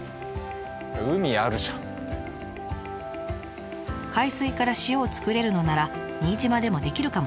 海水から塩を作れるのなら新島でもできるかもしれない。